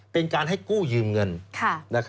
เป็นการให้กู้ยืมเงิน